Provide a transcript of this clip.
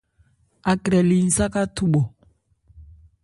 Akrɛ li nsáká thubhɔ.